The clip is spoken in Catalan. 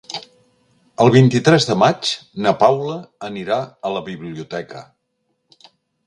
El vint-i-tres de maig na Paula anirà a la biblioteca.